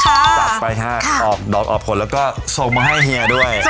จัดไปฮะออกดอกออกผลแล้วก็ส่งมาให้เฮียด้วย